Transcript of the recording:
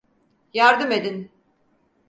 Yardım edin.